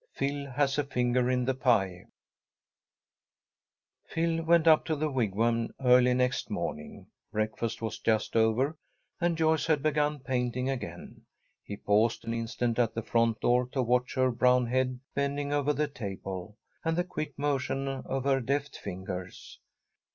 PHIL HAS A FINGER IN THE PIE PHIL went up to the Wigwam early next morning. Breakfast was just over, and Joyce had begun painting again. He paused an instant at the front door to watch her brown head bending over the table, and the quick motion of her deft fingers.